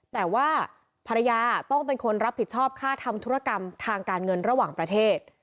แต่ว่าภรรยาต้องเป็นคนรับผิดชอบค่าทำธุรกรรมทางการเงินระหว่างประเทศ